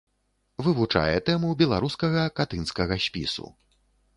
Вывучае тэму беларускага катынскага спісу.